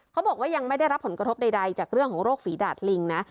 เขาบอกว่ายังไม่ได้รับผลกระทบใดจากเรื่องของโรคฝีดาดลิงนะ